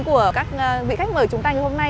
của các vị khách mời chúng ta ngày hôm nay